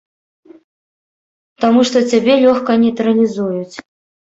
Таму што цябе лёгка нейтралізуюць.